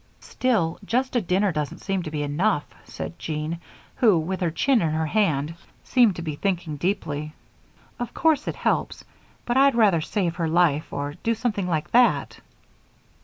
"Still, just a dinner doesn't seem to be enough," said Jean, who, with her chin in her hand, seemed to be thinking deeply. "Of course it helps, but I'd rather save her life or do something like that."